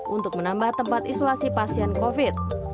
untuk menambah tempat isolasi pasien covid sembilan belas